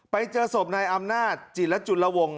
ไปเจอศพนายอำนาจจิตและจุลวง